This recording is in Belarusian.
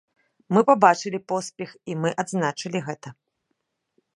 Мы пабачылі поспех і мы адзначылі гэта.